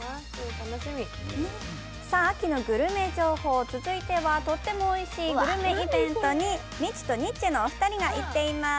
秋グルメ情報、続いては、とてもおいしいグルメイベントに、みちゅとニッチェのお二人が行っています。